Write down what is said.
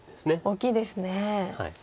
大きいですね。